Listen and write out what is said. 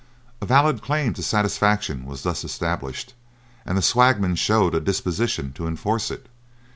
A valid claim to satisfaction was thus established, and the swagman showed a disposition to enforce it.